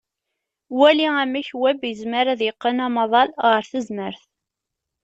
Wali amek web yezmer ad yeqqen amaḍal ɣer tezmert.